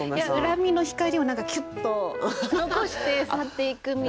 恨みの光をキュッと残して去っていくみたいな。